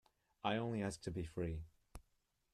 I only ask to be free.